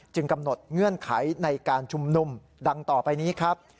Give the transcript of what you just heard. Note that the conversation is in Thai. กำหนดเงื่อนไขในการชุมนุมดังต่อไปนี้ครับ